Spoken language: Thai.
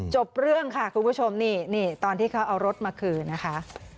จบเรื่องค่ะคุณผู้ชมนี่นี่ตอนที่เขาเอารถมาคืนนะคะ